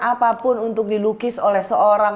apapun untuk dilukis oleh seorang